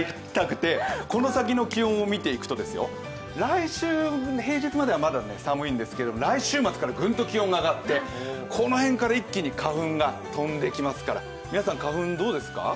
この先の気温を見ていくと来週平日まではまだ寒いんですが来週末からぐんと気温が上がってこの辺から一気に花粉が飛んできますから。